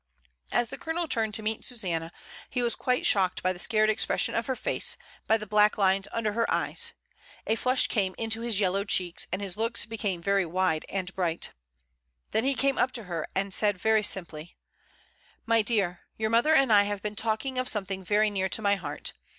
As the Colonel turned to meet Susanna, he was quite shocked by the scared expression of her face, by the black lines under her eyes. A flush came into his yellow cheeks, and his looks became very wide and bright. Then he came up to her and said very simply, "My dear, your mother and I have been AFTERWARDS. 123 talking of something very near my heart.